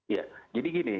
ya jadi gini